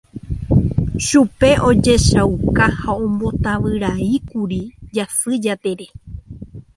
Chupe ojehechauka ha ombotavyraíkuri Jasy Jatere.